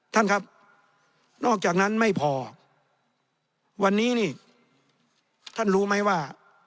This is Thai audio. ท่านครับนอกจากนั้นไม่พอวันนี้นี่ท่านรู้ไหมว่า